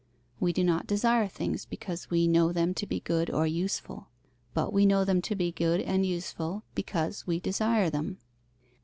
We do not desire things because we know them to be good or useful; but we know them to be good and useful, because we desire them.